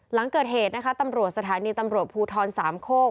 หลังเกิดเหตุนะคะตำรวจสถานีตำรวจภูทรสามโคก